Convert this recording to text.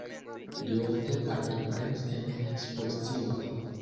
Li ofte partoprenis en ekspozicioj.